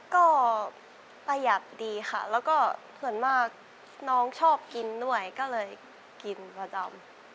ก็ประหยัดดีค่ะแล้วก็ส่วนมากน้องชอบกินด้วยก็เลยกินประจำ